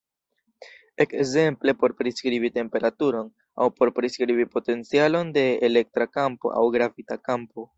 Ekzemple por priskribi temperaturon, aŭ por priskribi potencialon de elektra kampo aŭ gravita kampo.